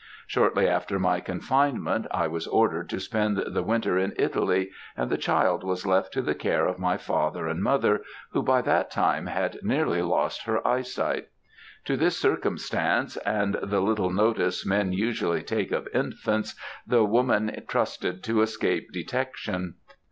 Shortly after my confinement, I was ordered to spend the winter in Italy, and the child was left to the care of my father and mother, who by that time had nearly lost her eye sight. To this circumstance, and the little notice men usually take of infants, the woman trusted to escape detection.